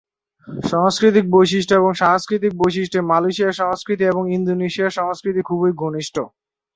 সাংস্কৃতিক বৈচিত্র এবং সাংস্কৃতিক বৈশিষ্ট্যে মালয়েশিয়ার সংস্কৃতির এবং ইন্দোনেশিয়ার সংস্কৃতি খুবই ঘনিষ্ঠ।